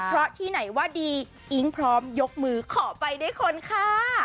เพราะที่ไหนว่าดีอิ๊งพร้อมยกมือขอไปด้วยคนค่ะ